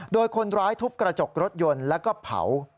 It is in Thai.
โดยคนร้ายทุบกระจกรถยนต์แล้วก็เผา